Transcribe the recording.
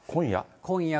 今夜？